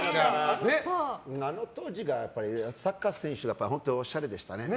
あの当時、サッカー選手はおしゃれでしたね。